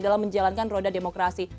dalam menjalankan roda demokrasi